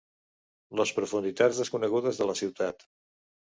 Les profunditats desconegudes de la ciutat